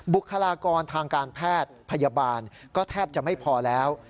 บุคลากรทางการแพทย์พยาบาลก็แทบจะไม่พอแล้ว